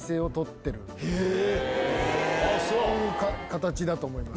そういう形だと思います。